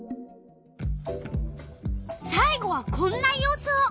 さい後はこんな予想！